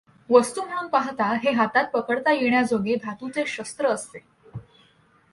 वस्तू म्हणून पाहता, हे हातात पकडता येण्याजोगे धातूचे शस्त्र असते.